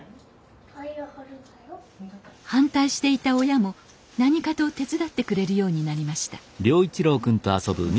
反対していた親も何かと手伝ってくれるようになりました